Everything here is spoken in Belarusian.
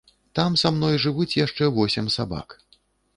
Там са мной жывуць яшчэ восем сабак.